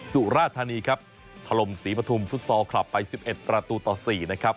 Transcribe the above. สุราธานีครับถล่มศรีปฐุมฟุตซอลคลับไป๑๑ประตูต่อ๔นะครับ